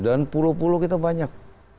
dan pulau pulau kita banyak